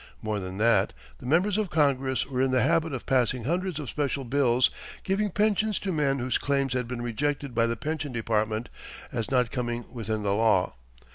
More than that, the members of Congress were in the habit of passing hundreds of special bills, giving pensions to men whose claims had been rejected by the pension department, as not coming within the law.